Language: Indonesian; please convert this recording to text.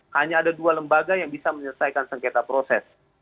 hanya ada dua lembaga yang bisa menyelesaikan sengketa proses